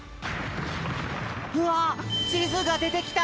うわっちずがでてきた！